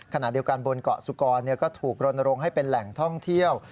ขณะเดียวกันบนเกาะสุกรก็ถูกรณรงค์ให้เป็นแหล่งท่องเที่ยว